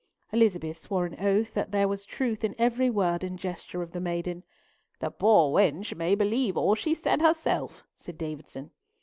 Elizabeth swore an oath that there was truth in every word and gesture of the maiden. "The poor wench may believe all she said herself," said Davison.